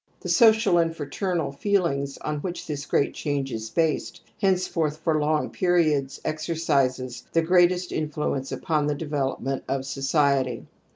The social and fraternal feeUngs on which this great change is based, henceforth for long periods exercises the greatest influence upon the development of society.